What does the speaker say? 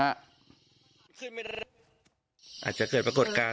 อาจจะเกิดปรากฏการณ์